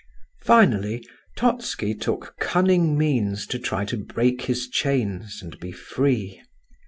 Finally, Totski took cunning means to try to break his chains and be free.